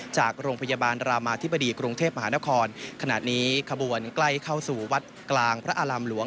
จากโรงพยาบาลรามาธิบดีกรุงเทพมหานครขณะนี้ขบวนใกล้เข้าสู่วัดกลางพระอารามหลวง